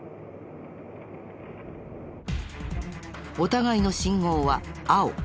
お互いの信号は青。